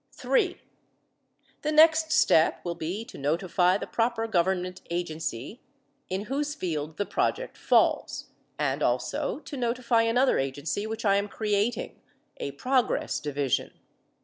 (3) The next step will be to notify the proper government agency in whose field the project falls, and also to notify another agency which I am creating a Progress Division.